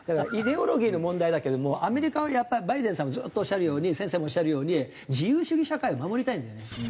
イデオロギーの問題だけどもアメリカはバイデンさんもずっとおっしゃるように先生もおっしゃるように自由主義社会を守りたいんだよね。